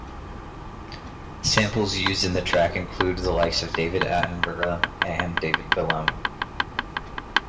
Samples used in the track include the likes of David Attenborough and David Bellamy.